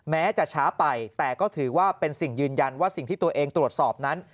แม้จะช้าไปแต่ก็ถือว่าเป็นสิ่งยืนยันว่าสิ่งที่ตัวเองตรวจสอบนั้น